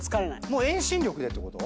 もう遠心力でってこと？